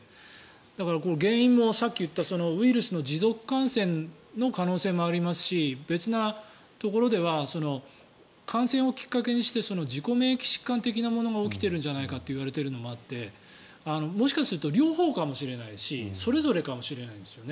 だから、原因もさっき言ったウイルスの持続感染の可能性もありますし別なところでは感染をきっかけにして自己免疫疾患的なものが起きているんじゃないかといわれているものもあってもしかしたら両方かもしれないしそれぞれかもしれないんですよ。